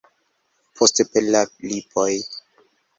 Poste per la lipoj.